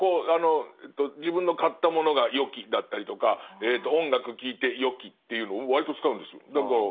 自分の買ったものが「よき」だったりとか音楽聴いて「よき」っていうの割と使うんですよ。